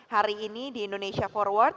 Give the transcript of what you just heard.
hari ini di indonesia forward